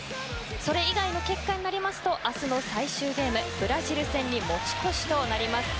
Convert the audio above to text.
それ以外の結果になりますと明日の最終ゲームブラジル戦に持ち越しとなります。